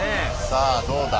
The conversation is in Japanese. さあどうだ？